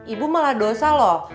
ibu malah dosa loh